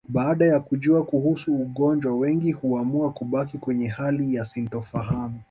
Baada ya kujua kuhusu ugonjwa wengi huamua kubaki kwenye hali ya sintofahamu